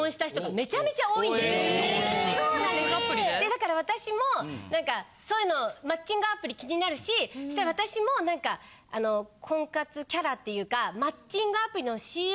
だから私も何かそういうのマッチングアプリ気になるし私も何か婚活キャラっていうか。